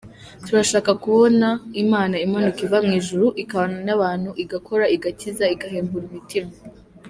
Turashaka kubona Imana imanuka iva mu ijuru, ikabana n’abantu, igakora, igakiza, igahembura imitima”.